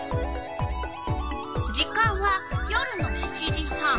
時間は夜の７時半。